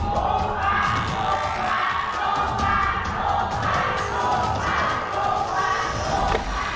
๒๒บาท